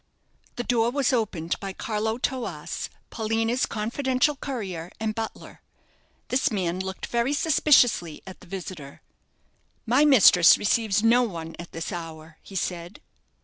The door was opened by Carlo Toas, Paulina's confidential courier and butler. This man looked very suspiciously at the visitor. "My mistress receives no one at this hour," he said.